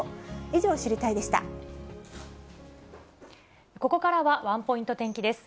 以上、ここからは、ワンポイント天気です。